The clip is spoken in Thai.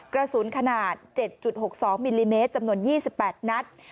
กระสุนขนาด๗๖๒มิลลิเมตรจำนวน๒๘นัด